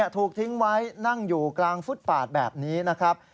ถูกทิ้งไว้นั่งอยู่กลางฟุตปาดแบบนี้นะครับ